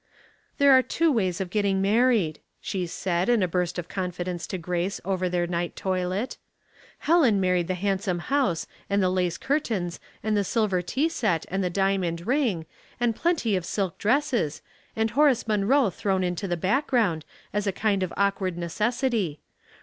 " There are two ways of getting married," she said, in a burst of confidence to Grace over their ni<iht toilet. " Helen married the handsome Louse, and the lace curtains, and the silver tea A New Start. 361 set, and the diamond ring, and plenty of silk dresses, and Horace Munroe thrown into the background, as a kir.d of awkward necessity.